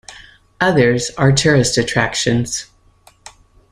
Others are tourist attractions.